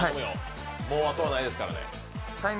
もう、あとはないですからね